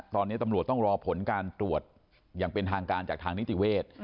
ตอนนี้ตำรวจต้องรอผลการตรวจอย่างเป็นทางการจากทางนิติเวทย์